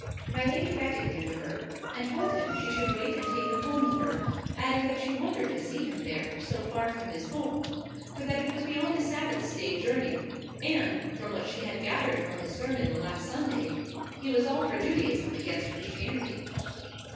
My lady beckoned him to her, and told him she should wait and take him home with her, adding that she wondered to see him there, so far from his home, for that it was beyond a Sabbath day's journey, and, from what she had gathered from his sermon the last Sunday, he was all for Judaism against Christianity.